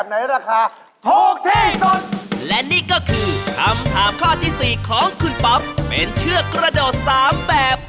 หนูขอที่มันแบบถูกที่สุดละกัน